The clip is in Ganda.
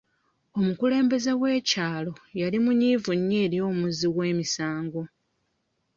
Omukulembeze w'ekyalo yali munyiivu nnyo eri omuzzi w'emisango.